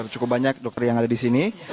cukup banyak dokter yang ada di sini